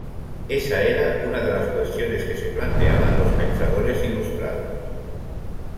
Esa era una de las cuestiones que se planteaban los pensadores ilustrados.